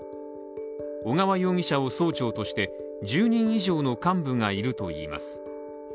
小川容疑者を総長として１０人以上の幹部がいるといいます。